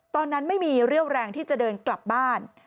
ตอนนั้นไม่มีเรี่ยวแรงที่จะเดินกลับบ้าน